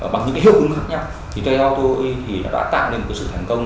bằng những hiệu ứng khác nhau thì theo tôi thì nó đã tạo nên một sự thành công